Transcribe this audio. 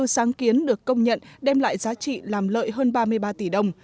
ba trăm linh bốn sáng kiến được công nhận đem lại giá trị làm lợi hơn ba mươi ba tỷ đồng